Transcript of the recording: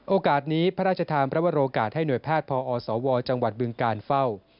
โอกาสนี้พระราชทานพระวรกาศให้หน่วยแพทย์พอสวจังหวัดบึงการเฝ้า